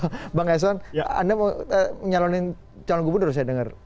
mas bama bang eison anda mau nyalonin calon gubernur saya dengar